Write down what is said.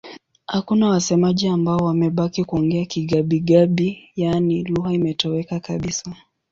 Hakuna wasemaji ambao wamebaki kuongea Kigabi-Gabi, yaani lugha imetoweka kabisa.